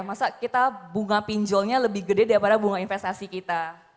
masa kita bunga pinjolnya lebih gede daripada bunga investasi kita